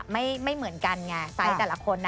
ไม่เหมือนกันไงไซส์แต่ละคนนะ